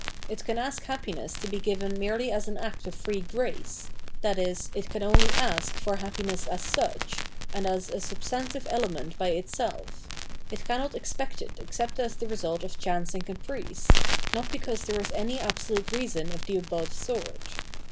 It can ask happiness to be given merely as an act of free grace, i.e. it can only ask for happiness as such, and as a substantive element by it self ; it cannot expect it except as the result of chance and caprice, not because there is any absolute reason of the above sort.